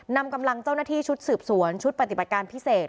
นำกำลังเจ้าหน้าที่ชุดสืบสวนชุดปฏิบัติการพิเศษ